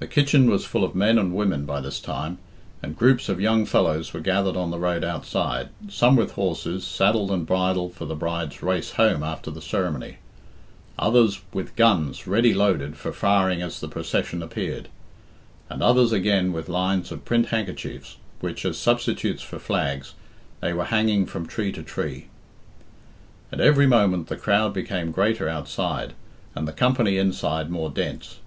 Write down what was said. The kitchen was full of men and women by this time, and groups of young fellows were gathered on the road outside, some with horses, saddled and bridled for the bride's race home after the ceremony; others with guns ready loaded for firing as the procession appeared; and others again with lines of print handkerchiefs, which, as substitutes for flags, they were hanging from tree to tree. At every moment the crowd became greater outside, and the company inside more dense.